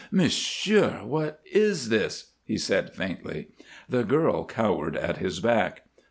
"Monsieur what is this?" he said, faintly. The girl cowered at his back.